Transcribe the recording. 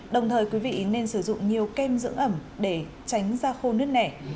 đồng thời quý vị nên sử dụng nhiều kem dưỡng ẩm để tránh ra khô nước nẻ